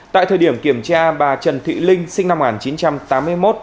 tại thời điểm kiểm tra bà trần thị linh sinh năm một nghìn chín trăm tám mươi một